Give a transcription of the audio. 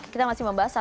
kita masih membahas